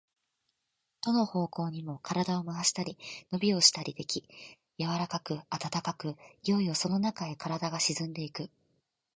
どの方向にも身体を廻したり、のびをしたりでき、柔かく暖かく、いよいよそのなかへ身体が沈んでいく。